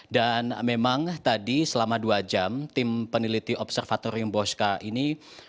dan memang tadi selama dua jam tim peneliti observatorium bosca ini